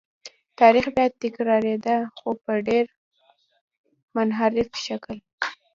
تاریخ بیا تکرارېده خو په ډېر منحرف شکل.